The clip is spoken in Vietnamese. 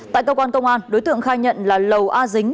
tại công an công an đối tượng khai nhận là lầu a dính